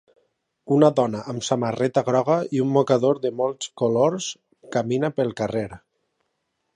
Una dona amb samarreta groga i un mocador de molts colors camina pel carrer.